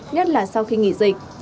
nhất là sau khi nghỉ dịch